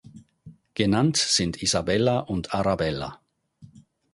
Genannt sind Isabella und Arabella.